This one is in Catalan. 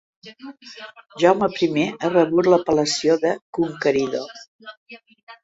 Jaume primer ha rebut l'apel·lació de "Conqueridor".